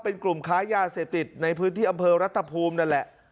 เป็นกลุ่มค้ายาเสพติดในพื้นที่อำเภอรัฐภูมินั่นแหละ